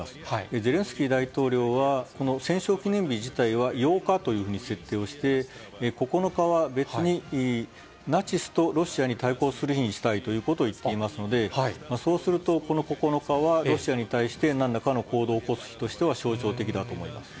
ゼレンスキー大統領は、この戦勝記念日自体は８日というふうに設定をして、９日は別に、ナチスとロシアに対抗する日にしたいということを言っていますので、そうすると、この９日はロシアに対してなんらかの行動を起こす日としては象徴的だと思います。